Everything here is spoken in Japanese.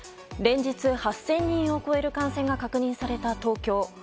連日、８０００人を超える感染が確認された東京。